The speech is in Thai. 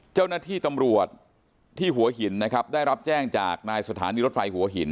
เจ้าหน้าที่ตำรวจที่หัวหินนะครับได้รับแจ้งจากนายสถานีรถไฟหัวหิน